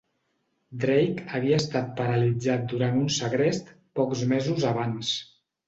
Drake havia estat paralitzat durant un segrest pocs mesos abans.